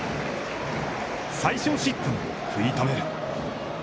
最少失点に食いとめる。